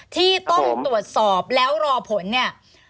ที่ต้องตรวจสอบแล้วรอผลเนี่ย